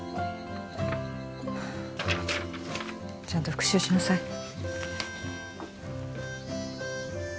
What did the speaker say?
ちゃんと復習しなさい